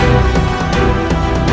aku dia hitung waktunya